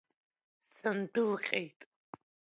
Сындәылҟьеит.